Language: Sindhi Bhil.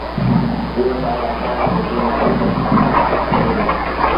پُورو سآل اسآݩ رو ڦُٽيٚ مآݩ گزر سڦر ٿئي دو